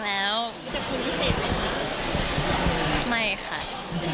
ชั้น